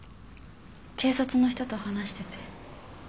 警察の人と話してて。